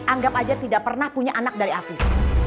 anggap aja tidak pernah punya anak dari afif